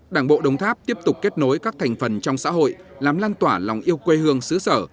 đảng bộ đồng tháp tiếp tục kết nối các thành phần trong xã hội làm lan tỏa lòng yêu quê hương xứ sở